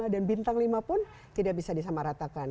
dan bintang lima pun tidak bisa disamaratakan